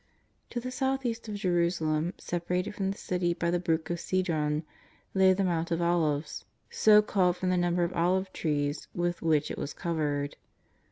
To the south east of Jerusalem, separated from the City by the brook Kedron, lay the Mount of Olives, so called from the number of olive trees with which it was covered.